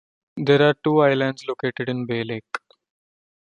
There are two islands located in Bay Lake.